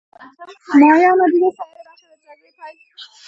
مایایانو د دې سیارې برخې د جګړې پیل لپاره نېک شګون گاڼه